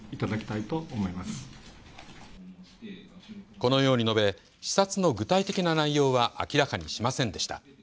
このように述べ視察の具体的な内容は明らかにしませんでした。